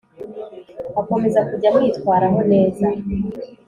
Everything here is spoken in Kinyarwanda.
akomeza kujya amwitwaraho neza